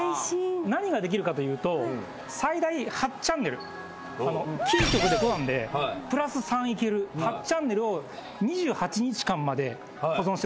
何ができるかというと最大８チャンネルキー局で５なんでプラス３いける８チャンネルを２８日間まで保存してくれるんすよ。